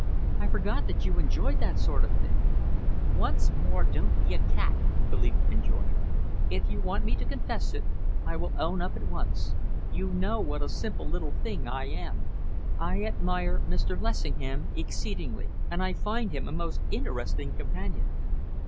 "I forgot that you enjoyed that sort of thing." "Once more, don't be a cat," Philippa enjoined. "If you want me to confess it, I will own up at once. You know what a simple little thing I am. I admire Mr. Lessingham exceedingly, and I find him a most interesting companion."